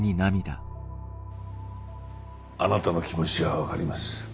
あなたの気持ちは分かります。